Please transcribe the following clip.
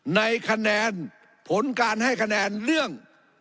ในคะแนนผลการให้คะแนนเรื่อง